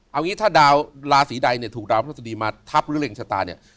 เอางี้ถ้าดาวราศีใดเนี่ยถูกดาวราศีมาทับเร็งดวงชะตาเนี่ย